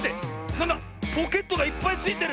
なんだポケットがいっぱいついてる！